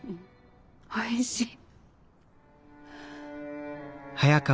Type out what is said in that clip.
おいしい！